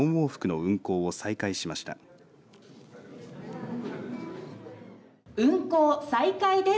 運航再開です。